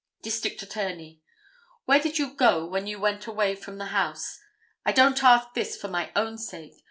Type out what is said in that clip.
District Attorney—"Where did you go when you went away from the house? I don't ask this for my own sake.